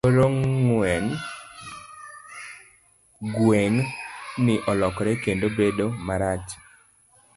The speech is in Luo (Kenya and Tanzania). Koro, gweng' ni olokore kendo bedo marach.